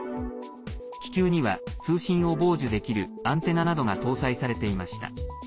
気球には、通信を傍受できるアンテナなどが搭載されていました。